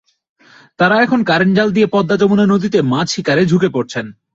তাঁরা এখন কারেন্ট জাল নিয়ে পদ্মা-যমুনা নদীতে মাছ শিকারে ঝুঁকে পড়েছেন।